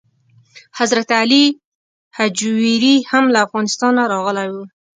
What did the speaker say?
حضرت علي هجویري هم له افغانستانه راغلی و.